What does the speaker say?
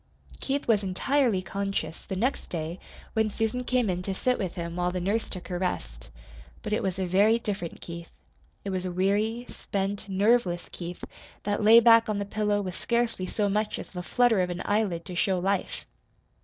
Keith was entirely conscious the next day when Susan came in to sit with him while the nurse took her rest. But it was a very different Keith. It was a weary, spent, nerveless Keith that lay back on the pillow with scarcely so much as the flutter of an eyelid to show life.